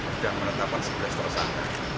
sudah menetapkan sebelas perusahaan